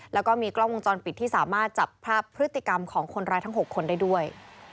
แล้วก็มีกล้องวงจรปิดที่สามารถจับภาพพฤติกรรมของคนร้ายทั้ง๖คนได้ด้วย